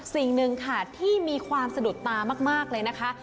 สิ่งหนึ่งค่ะที่มีความสะดุดตามากเลยนะคะ